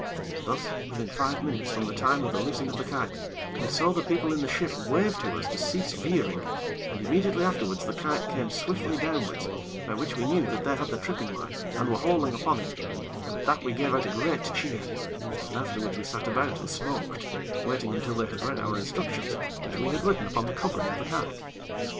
Thus, within five minutes from the time of the loosing of the kite, we saw the people in the ship wave to us to cease veering, and immediately afterwards the kite came swiftly downwards, by which we knew that they had the tripping line, and were hauling upon it, and at that we gave out a great cheer, and afterwards we sat about and smoked, waiting until they had read our instructions, which we had written upon the covering of the kite.